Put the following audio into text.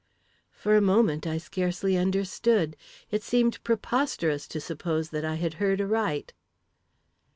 For a moment, I scarcely understood. It seemed preposterous to suppose that I had heard aright.